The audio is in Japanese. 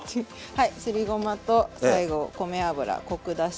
はいすりごまと最後米油コク出し